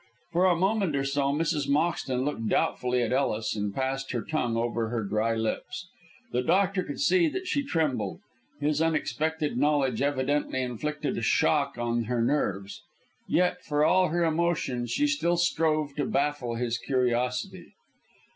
For a moment or so Mrs. Moxton looked doubtfully at Ellis, and passed her tongue over her dry lips. The doctor could see that she trembled. His unexpected knowledge evidently inflicted a shock on her nerves. Yet, for all her emotion, she still strove to baffle his curiosity.